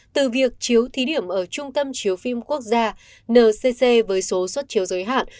từ việc chiếu thí điểm ở trung tâm chiếu phim quốc gia ncc với số xuất chiếu giới hạn